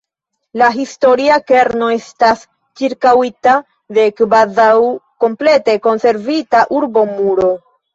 La historia kerno estas ĉirkaŭita de kvazaŭ komplete konservita urbomuro.